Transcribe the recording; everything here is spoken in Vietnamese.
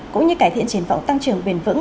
cũng như cải thiện triển vọng tăng trưởng bền vững